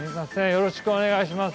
よろしくお願いします。